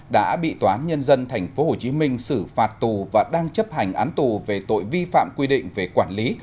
đã bị tòa án nhân dân tp hcm xử phạt tù và đang chấp hành án tù về tội vi phạm quy định về quản lý